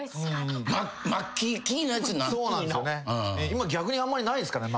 今逆にあんまりないですから。